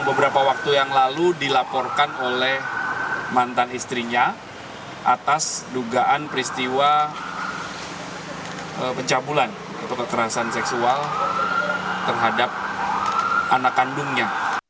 beberapa waktu yang lalu dilaporkan oleh mantan istrinya atas dugaan peristiwa pencabulan atau kekerasan seksual terhadap anak kandungnya